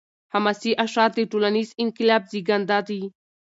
حماسي اشعار د ټولنیز انقلاب زیږنده دي.